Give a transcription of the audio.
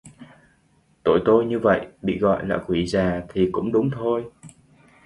Tuổi tôi như vậy bị gọi là quỷ già thì cũng đúng thôi